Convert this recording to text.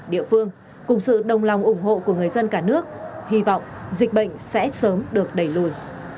địa phương cùng sự đồng lòng ủng hộ của người dân cả nước hy vọng dịch bệnh sẽ sớm được đẩy lùi